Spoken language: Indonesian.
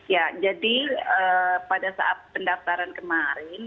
ya jadi pada saat pendaftaran kemarin